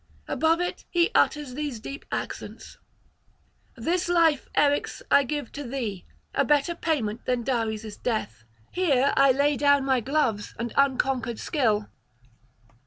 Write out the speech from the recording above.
Above it he utters these deep accents: 'This life, Eryx, I give to thee, a better payment than Dares' death; here I lay down my gloves and unconquered skill.'